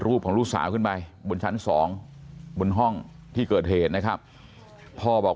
ของลูกสาวขึ้นไปบนชั้นสองบนห้องที่เกิดเหตุนะครับพ่อบอก